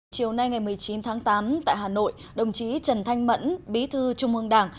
chiều nay ngày một mươi chín tháng tám tại hà nội đồng chí trần thanh mẫn bí thư trung ương đảng